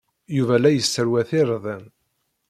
Yuba la yesserwat irden.